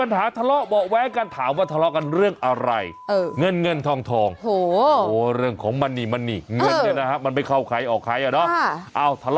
ทะเลาะกันเป็นประจำ